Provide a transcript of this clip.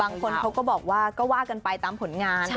บางคนเขาก็บอกว่าก็ว่ากันไปตามผลงาน